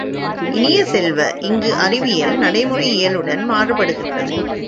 இனிய செல்வ, இங்கு அறிவியல், நடைமுறை இயலுடன் மாறுபடுகிறது.